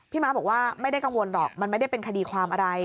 ม้าบอกว่าไม่ได้กังวลหรอกมันไม่ได้เป็นคดีความอะไร